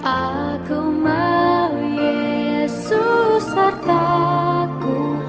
aku mau yesus sertaku